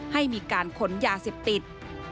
ให้มีการขนยาเสพติด